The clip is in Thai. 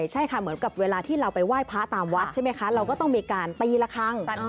ใช่ค่ะเหมือนกับเวลาที่เราไปไหว้พระตามวัดใช่ไหมคะเราก็ต้องมีการตีละครั้ง